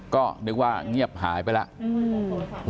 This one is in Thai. ก็นึกว่าเงียบหายไปแล้ว